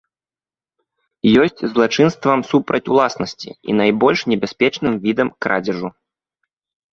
Ёсць злачынствам супраць уласнасці і найбольш небяспечным відам крадзяжу.